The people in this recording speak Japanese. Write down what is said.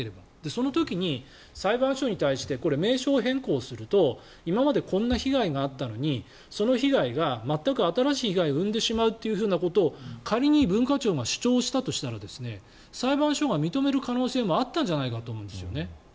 その時に裁判所に対してこれ、名称変更すると今までこんな被害があったのにその被害が全く新しい被害を生んでしまうというふうなことを仮に文化庁が主張したとしたら裁判所が認める可能性もあったんじゃないかと思うんですね。